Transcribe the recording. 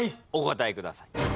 お答えください。